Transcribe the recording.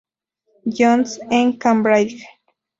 Johns en Cambridge.